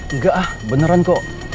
enggak ah beneran kok